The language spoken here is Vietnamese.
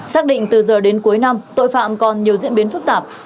xác định từ giờ đến cuối năm tội phạm còn nhiều diễn biến phức tạp